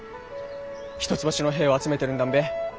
一橋の兵を集めてるんだんべ？